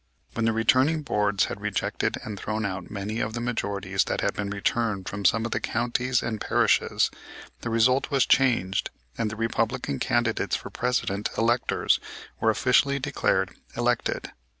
When the Returning Boards had rejected and thrown out many of the majorities that had been returned from some of the counties and parishes, the result was changed, and the Republican candidates for Presidential electors were officially declared elected.